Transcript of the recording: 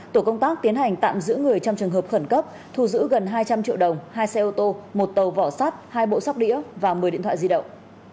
tổ công tác tiến hành tạm giữ người trong trường hợp khẩn cấp thu giữ gần hai trăm linh triệu đồng hai xe ô tô một tàu vỏ sắt hai bộ sóc đĩa và một mươi điện thoại di động